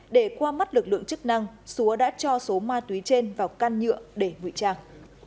để qua mắt lực lượng chức năng xúa đã cho số ma túy trên vào can nhựa để ngụy trang